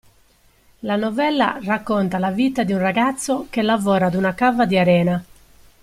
La novella racconta la vita di un ragazzo che lavora a una cava di arena.